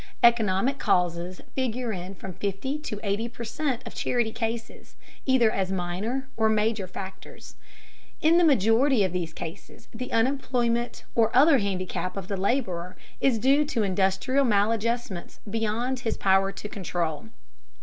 Economic causes figure in from fifty to eighty per cent of charity cases, either as minor or major factors. In the majority of these cases the unemployment or other handicap of the laborer is due to industrial maladjustments beyond his power to control.